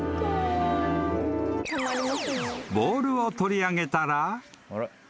［ボールを取り上げたら］